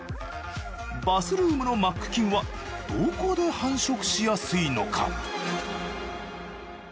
バスルームのＭＡＣ菌はどこで繁殖しやすいのか？